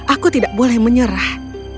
aku tidak boleh menyerah